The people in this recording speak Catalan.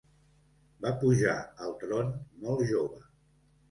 Va pujar al tron molt jove.